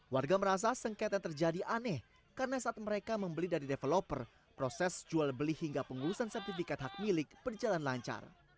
warga merasa sengketa terjadi aneh karena saat mereka membeli dari developer proses jual beli hingga pengurusan sertifikat hak milik berjalan lancar